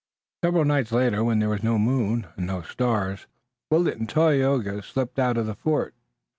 Several nights later when there was no moon, and no stars, Willet and Tayoga slipped out of the fort.